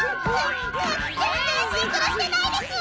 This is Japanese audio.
全然シンクロしてないですわ！